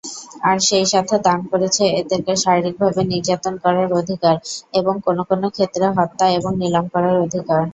আর সেই সাথে দান করেছে এদেরকে শারীরিকভাবে নির্যাতন করার অধিকার, এবং কোন কোন ক্ষেত্রে হত্যা এবং নিলাম করার অধিকার।